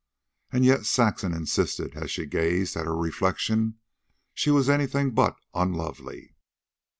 And yet, Saxon insisted, as she gazed at her reflection, she was anything but unlovely.